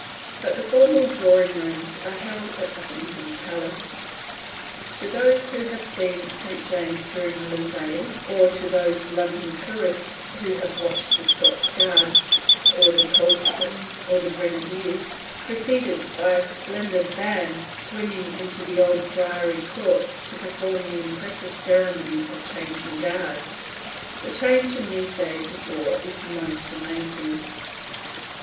But the formal Drawing Rooms are held at Buckingham Palace. To those who have seen St. James's during a levee, or to those London tourists who have watched the Scots Guards, or the Coldstream or the Grenadiers, preceded by a splendid band, swinging into the old Friary Court to perform the impressive ceremony of changing guard, the change in these days of war is most amazing.